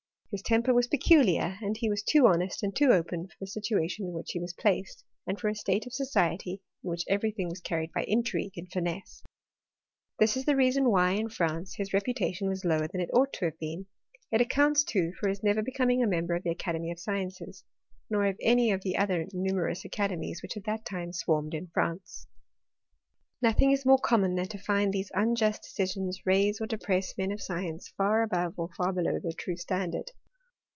His temper was peculiar, and he was too honest and too open for the situation in which he was placed, and for a state of society in which every thing was carried by intrigue and finesse. This is the reason why, in France, his reputation was lower than it ought to have been. It accounts, too, for his never becoming a member of the Academy of Sciences, nor of any of the other nume^ rous academies which at that time swarmed in France* Nothing is more common than to find these unjust decisions raise or depress men of science far above or far below their true standard.